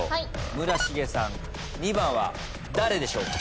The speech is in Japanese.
村重さん２番は誰でしょうか？